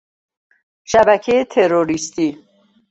شبکه تروریستی